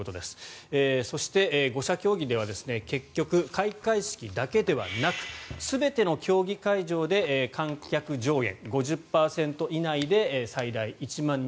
そして５者協議では結局、開会式だけではなく全ての競技会場で観客上限５０％以内で最大１万人。